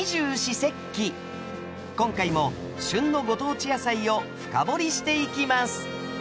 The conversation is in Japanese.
今回も旬のご当地野菜を深掘りしていきます。